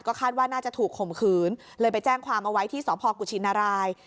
คาดว่าน่าจะถูกข่มขืนเลยไปแจ้งความเอาไว้ที่สพกุชินราย